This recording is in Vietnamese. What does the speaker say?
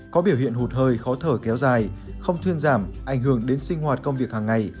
có biểu hiện hụt hơi khó thở kéo dài không thuyên giảm ảnh hưởng đến sinh hoạt công việc hàng ngày